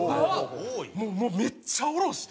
もうめっちゃ下ろして。